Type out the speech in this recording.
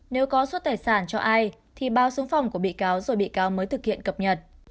nếu có xuất tài sản cho ai thì báo xuống phòng của bị cáo rồi bị cáo mới thực hiện cập nhật